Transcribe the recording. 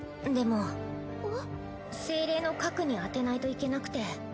でも精霊の核に当てないといけなくて。